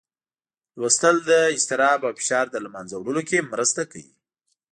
لوستل د اضطراب او فشار له منځه وړلو کې مرسته کوي.